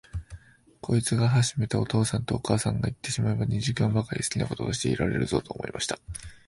こいつはしめた、お父さんとお母さんがいってしまえば、二時間ばかりは好きなことがしていられるぞ、と思いました。